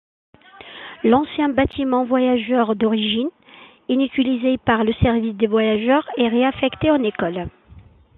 L'ancien bâtiment voyageurs d'origine, inutilisé par le service des voyageurs et réaffecté en école.